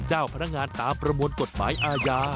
เจ้าพนักงานตามประมวลกฎหมายอาญา